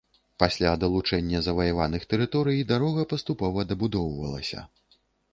Пасля далучэння заваяваных тэрыторый, дарога паступова дабудоўвалася.